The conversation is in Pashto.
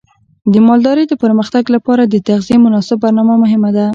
د مالدارۍ د پرمختګ لپاره د تغذیې مناسب برنامه مهمه ده.